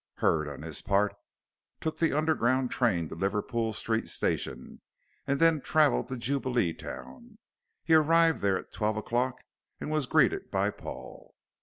Hurd, on his part, took the underground train to Liverpool Street Station, and then travelled to Jubileetown. He arrived there at twelve o'clock and was greeted by Paul.